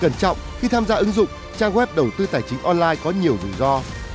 cẩn trọng khi tham gia ứng dụng trang web đầu tư tài chính online có nhiều rủi ro